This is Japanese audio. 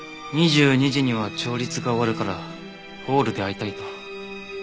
２２時には調律が終わるからホールで会いたいと。